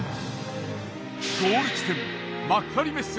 ゴール地点幕張メッセ